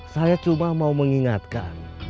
saya cuma mau mengingatkan